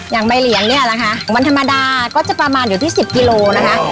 อย่างใบเหลียงเนี่ยนะคะวันธรรมดาก็จะประมาณอยู่ที่๑๐กิโลนะคะ